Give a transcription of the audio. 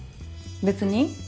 別に。